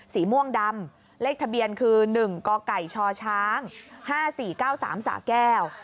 สีม่วงดำเลขทะเบียนคือ๑กไก่ชช๕๔๙๓สะแก้ว